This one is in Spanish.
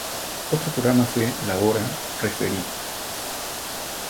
Otro programa fue "¡La hora, referí!